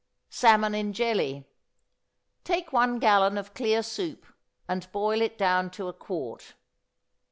=Salmon in Jelly.= Take one gallon of clear soup, and boil it down to a quart.